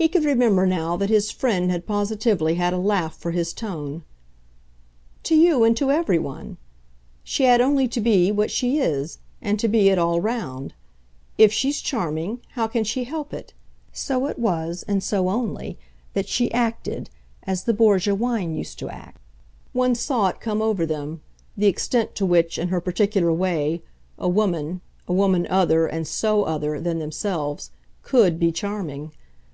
He could remember now that his friend had positively had a laugh for his tone. "To you and to every one. She had only to be what she is and to be it all round. If she's charming, how can she help it? So it was, and so only, that she 'acted' as the Borgia wine used to act. One saw it come over them the extent to which, in her particular way, a woman, a woman other, and SO other, than themselves, COULD be charming.